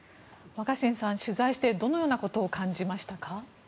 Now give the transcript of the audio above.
若新さん、取材してどのようなことを感じましたか？